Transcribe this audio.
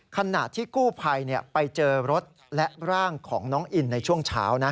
ขณะที่กู้ภัยไปเจอรถและร่างของน้องอินในช่วงเช้านะ